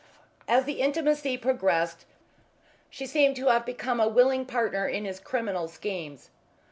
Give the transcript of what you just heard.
As the intimacy progressed she seemed to have become a willing partner in his criminal schemes.